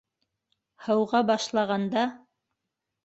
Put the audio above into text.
Һыуға башлағанда